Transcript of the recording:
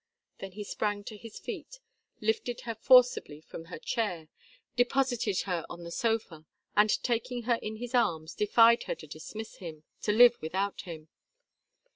Then he sprang to his feet, lifted her forcibly from her chair, deposited her on the sofa, and taking her in his arms defied her to dismiss him, to live without him.